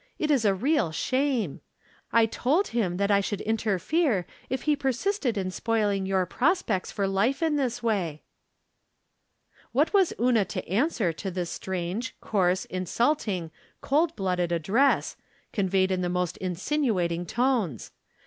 It is a real shame ! I told him that I should interfere if he persisted in spoiling your prospects for life in this way." What was Una to answer to this strange, coarse, insulting, cold blooded address, conveyed in the most insinuating tones ?